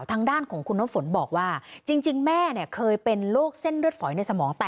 ทางด้านของคุณน้ำฝนบอกว่าจริงแม่เนี่ยเคยเป็นโรคเส้นเลือดฝอยในสมองแตก